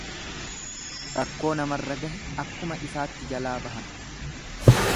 Rakkoo namarra gahe akkuma isaatti jalaa bahan.